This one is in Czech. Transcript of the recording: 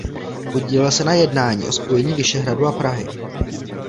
Podílel se na jednání o spojení Vyšehradu a Prahy.